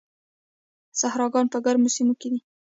صحراګان په ګرمو سیمو کې دي.